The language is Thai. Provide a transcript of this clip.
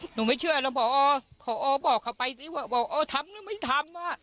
หนูไม่เชื่อหรอกพอพอบอกเขาไปสิว่าพอทำหรือไม่ทำว่ะ